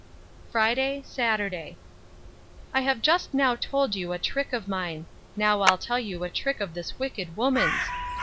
Friday, Saturday. I have just now told you a trick of mine; now I'll tell you a trick of this wicked woman's.